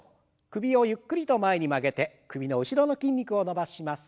首をゆっくりと前に曲げて首の後ろの筋肉を伸ばします。